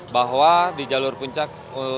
bahwa di jalur puncak